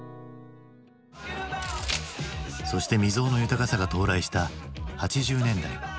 そして未曽有の豊かさが到来した８０年代。